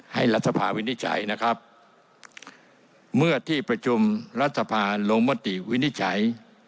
รัฐสภาวินิจฉัยนะครับเมื่อที่ประชุมรัฐภาลงมติวินิจฉัย